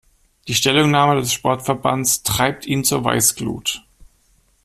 Die Stellungnahme des Sportverbands treibt ihn zur Weißglut.